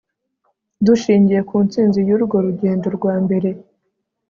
Dushingiye ku ntsinzi yurwo rugendo rwa mbere